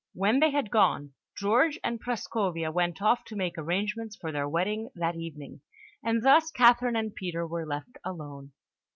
When they had gone, George and Prascovia went off to make arrangements for their wedding that evening; and thus Catherine and Peter were left alone.